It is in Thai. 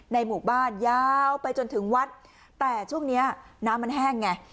หมู่บ้านยาวไปจนถึงวัดแต่ช่วงเนี้ยน้ำมันแห้งไง